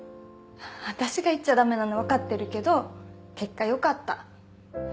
私が言っちゃ駄目なの分かってるけど結果よかった。